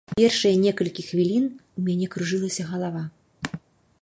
Першыя некалькі хвілін у мяне кружылася галава.